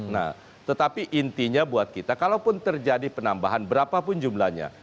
nah tetapi intinya buat kita kalaupun terjadi penambahan berapapun jumlahnya